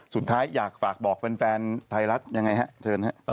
สุดท้ายอยากฝากบอกแฟนไทยรัฐยังไงฮะเชิญครับ